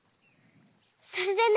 それでね。